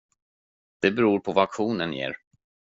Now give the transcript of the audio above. Det beror på vad auktionen ger.